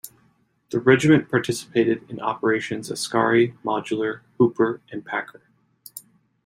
The regiment participated in Operations Askari, Modular, Hooper and Packer.